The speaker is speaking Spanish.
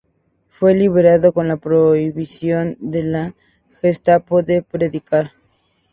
Fue liberado con la prohibición de la Gestapo de predicar.